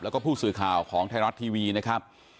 แล้วก็ผู้สื่อข่าวของไทยรัฐทีวีนะครับ